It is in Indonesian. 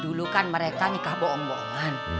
dulu kan mereka nikah bohong bohongan